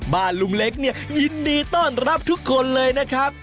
ลุงเล็กเนี่ยยินดีต้อนรับทุกคนเลยนะครับ